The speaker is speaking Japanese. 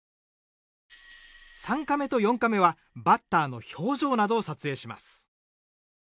３カメと４カメはバッターの表情などを撮影します。